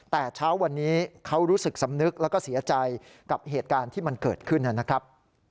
แต่เช้าวันนี้เขารู้สึกสำนึกแล้วก็เสียใจกับเหตุการณ์ที่มันเกิดขึ้นนะครับ